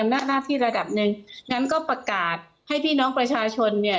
หน้าหน้าที่ระดับหนึ่งงั้นก็ประกาศให้พี่น้องประชาชนเนี่ย